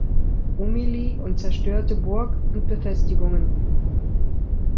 Rumilly und zerstörte Burg und Befestigungen.